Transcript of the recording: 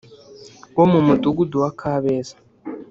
wo mu Mudugudu wa Kabeza